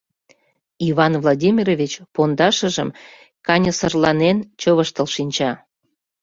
— Иван Владимирович пондашыжым каньысырланен чывыштыл шинча.